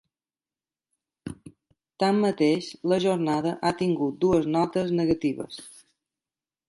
Tanmateix, la jornada ha tingut dues notes negatives.